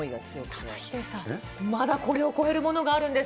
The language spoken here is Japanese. ただヒデさん、まだ、これを超えるものがあるんです。